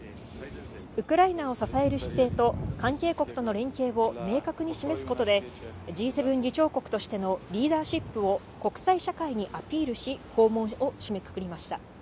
ウクライナを支える姿勢と関係国との連携を明確に示すことで、Ｇ７議長国としてのリーダーシップを国際社会にアピールし、訪問を締めくくりました。